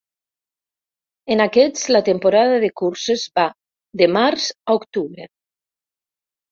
En aquests, la temporada de curses va de març a octubre.